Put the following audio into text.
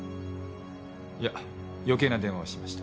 いや余計な電話をしました。